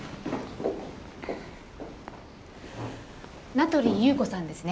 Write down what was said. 名取裕子さんですね？